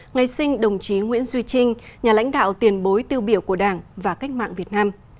ngày sinh đồng chí nguyễn duy trinh nhà lãnh đạo tiền bối tiêu biểu của đảng và cách mạng việt nam